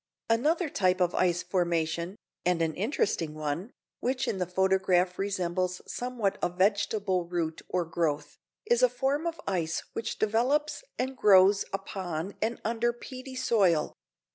Another type of ice formation, and an interesting one, which in the photograph resembles somewhat a vegetable root or growth, is a form of ice which develops and grows upon and under peaty soil.